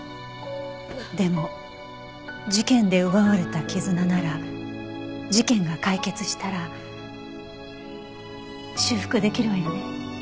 でも事件で奪われた絆なら事件が解決したら修復できるわよね？